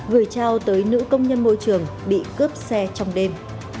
gửi trao tới nữ công nhân môi trường bị cướp xe trong đêm